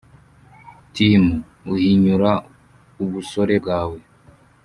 Tm uhinyura ubusore bwawe